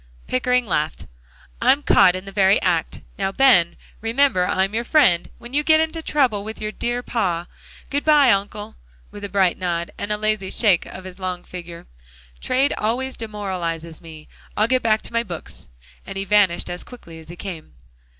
Pickering laughed. "I'm caught in the very act. Now, Ben, remember I'm your friend when you get into trouble with your dear pa. Good by, Uncle," with a bright nod, and a lazy shake of his long figure. "Trade always demoralizes me. I'll get back to my books," and he vanished as quickly as he came.